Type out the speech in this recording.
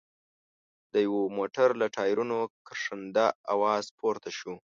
د يوه موټر له ټايرونو کرښنده اواز پورته شو.